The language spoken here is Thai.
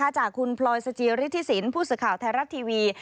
จากคุณพลอยสจิริฐศิลปุศข่าวไทยรัฐทีวี